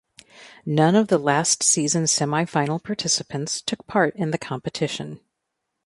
None of the last season semifinal participants took part in the competition.